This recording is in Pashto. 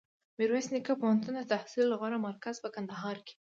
میرویس نیکه پوهنتون دتحصل غوره مرکز په کندهار کي